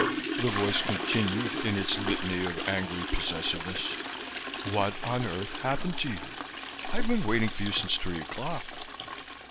the voice continued, in its litany of angry possessiveness. "What on earth happened to you? I've been waiting for you since three o'clock."